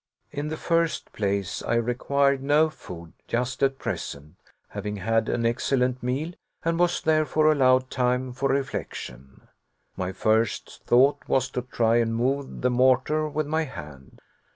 In the first place, I required no food just at present, having had an excellent meal, and was therefore allowed time for reflection. My first thought was to try and move the mortar with my hand.